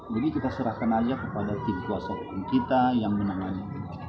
jadi kita serahkan saja kepada tim kuasa kita yang menangannya